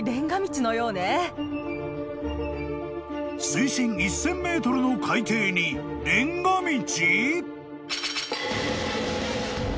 ［水深１，０００ｍの海底にレンガ道！？］